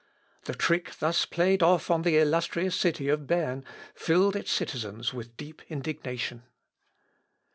The trick thus played off on the illustrious city of Berne filled its citizens with deep indignation.